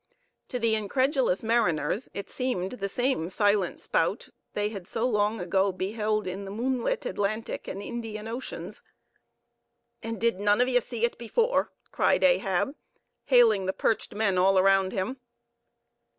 To the incredulous mariners it seemed the same silent spout they had so long ago beheld in the moonlit Atlantic and Indian Oceans. "And did none of ye see it before?" cried Ahab, hailing the perched men all around him.